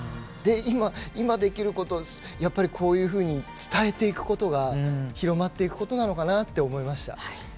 今、できることがこういうふうに伝えていくことが広まっていくことなのかなと思いました。